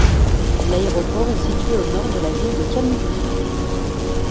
L'aéroport est situé au Nord de la ville de Camiri.